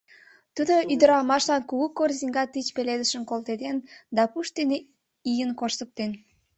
Тудо ӱдырамашлан кугу корзиҥга тич пеледышым колтеден да пуш дене ийын коштыктен.